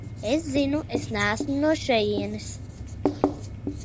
Es zinu, es neesmu no šejienes.